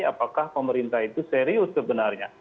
apakah pemerintah itu serius sebenarnya